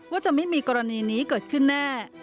ว่าจะไม่มีกรณีนี้เกิดขึ้นแน่